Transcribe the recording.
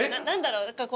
何だろう。